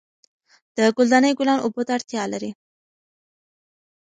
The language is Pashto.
د ګل دانۍ ګلان اوبو ته اړتیا لري.